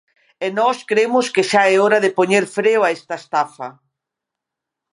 E nós cremos que xa é hora de poñer freo a esta estafa.